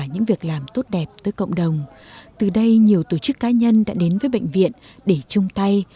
những việc làm tốt đẹp tới cộng đồng từ đây nhiều tổ chức cá nhân đã đến với bệnh viện để chung tay